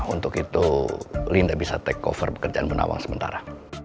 untuk itu linda bisa take cover pekerjaan bunawang sementara